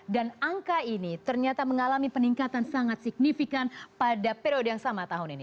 dan angka ini ternyata mengalami peningkatan sangat signifikan pada periode yang sama tahun ini